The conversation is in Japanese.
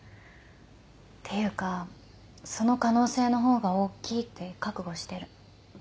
っていうかその可能性の方が大きいって覚悟してる。